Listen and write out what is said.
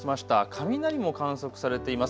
雷も観測されています。